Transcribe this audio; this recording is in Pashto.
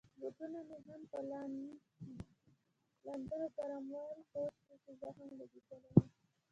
بوټونه مې هم لانده او ګرم ول، پوه شوم چي زه هم لګېدلی یم.